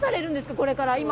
これから。